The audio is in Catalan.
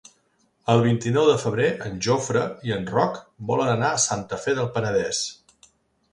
El vint-i-nou de febrer en Jofre i en Roc volen anar a Santa Fe del Penedès.